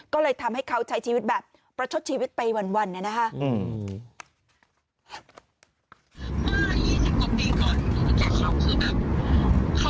ก็เลยทำให้เขาใช้ชีวิตแบบประชดชีวิตไปวันเนี่ยนะคะ